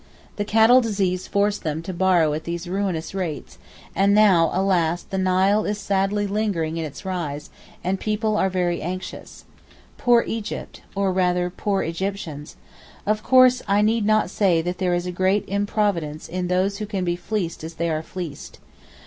The cattle disease forced them to borrow at these ruinous rates, and now alas, the Nile is sadly lingering in its rise, and people are very anxious. Poor Egypt! or rather, poor Egyptians! Of course, I need not say that there is great improvidence in those who can be fleeced as they are fleeced.